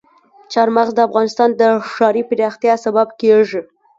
چار مغز د افغانستان د ښاري پراختیا سبب کېږي.